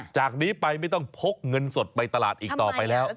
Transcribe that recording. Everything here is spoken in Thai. จากนี้ไปไม่ต้องพกเงินสดไปตลาดอีกต่อไปแล้ว